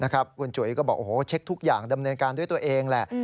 คุณจุ๋ยก็บอกโอ้โหเช็คทุกอย่างดำเนินการด้วยตัวเองแหละ